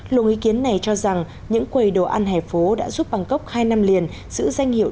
luồng ý kiến này cho rằng những quầy đồ ăn hẻ phố đã giúp bangkok hai năm liền giữ danh hiệu